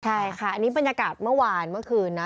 ใช่ค่ะอันนี้บรรยากาศเมื่อวานเมื่อคืนนะ